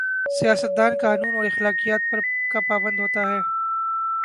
سیاست دان قانون اور اخلاقیات کا پابند ہو تا ہے۔